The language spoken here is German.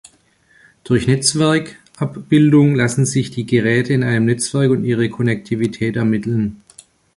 Durch Netzwerkabbildung lassen sich die Geräte in einem Netzwerk und ihre Konnektivität ermitteln.